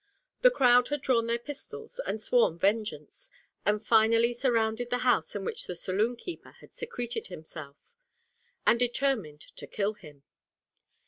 The crowd had drawn their pistols and sworn vengeance, and finally surrounded the house in which the saloon keeper had secreted himself, and determined to kill him.